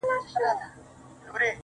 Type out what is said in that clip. لنډ ماځيگر انتظار، اوږده غرمه انتظار_